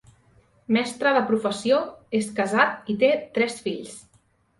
Mestre de professió, és casat i té tres fills.